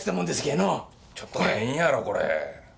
ちょっと変やろこれ。